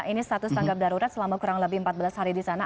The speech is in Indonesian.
ini status tanggap darurat selama kurang lebih empat belas hari di sana